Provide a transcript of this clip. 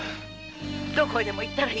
どこへでも行けばいい！